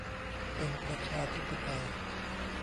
เป็นประชาธิปไตย